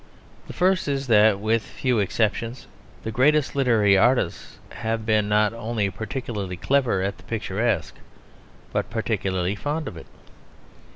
The first is that, with few exceptions, the greatest literary artists have been not only particularly clever at the picturesque, but particularly fond of it.